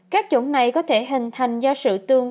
các chỗ này có thể hình thành do sự tương